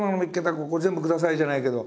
ここ全部ください！じゃないけど。